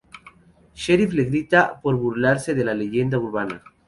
Sheriff le grita por burlarse de la leyenda urbana.